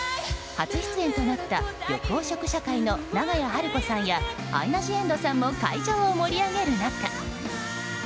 初出演となった緑黄色社会の長屋晴子さんやアイナ・ジ・エンドさんも会場を盛り上げる中。